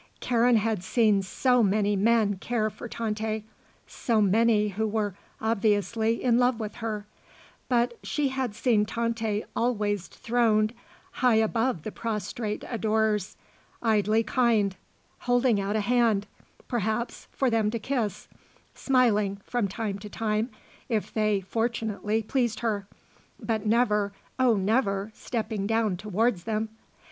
Karen had seen so many men care for Tante; so many who were, obviously, in love with her; but she had seen Tante always throned high above the prostrate adorers, idly kind; holding out a hand, perhaps, for them to kiss; smiling, from time to time, if they, fortunately, pleased her; but never, oh never, stepping down towards them.